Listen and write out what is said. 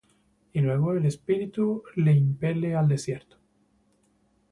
Y luego el Espíritu le impele al desierto.